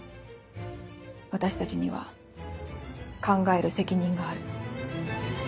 私たちには考える責任がある。